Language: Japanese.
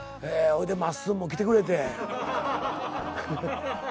ほいでまっすんも来てくれて。